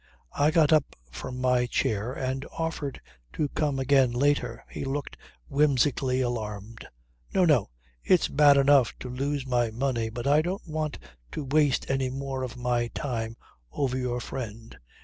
I got up from my chair and offered to come again later. He looked whimsically alarmed. "No, no. It's bad enough to lose my money but I don't want to waste any more of my time over your friend.